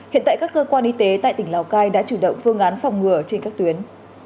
hiện tại các cơ quan y tế tại tỉnh lào cai đã chủ động phương án phòng ngừa trên các tuyến